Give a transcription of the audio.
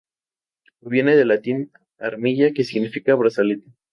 Proviene del latín "armilla", que significa brazalete.